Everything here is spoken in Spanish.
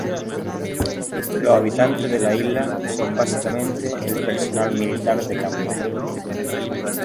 Los habitantes de la isla son básicamente el personal militar de Camboya.